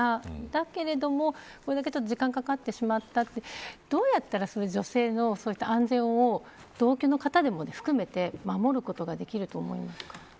だけれども、これだけ時間がかかってしまったってどうやったら女性のそういった安全を同居の方も含めて守ることができると思いますか。